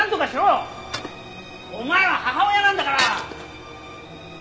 お前は母親なんだから！